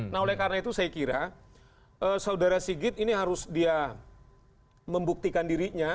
nah oleh karena itu saya kira saudara sigit ini harus dia membuktikan dirinya